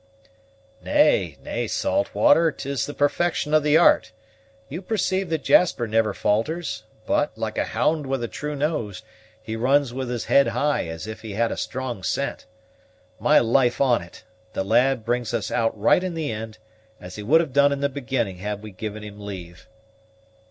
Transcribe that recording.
"Nay, nay, Saltwater, 'tis the perfection of the art. You perceive that Jasper never falters, but, like a hound with a true nose, he runs with his head high as if he had a strong scent. My life on it, the lad brings us out right in the ind, as he would have done in the beginning had we given him leave."